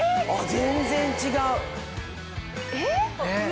全然違う。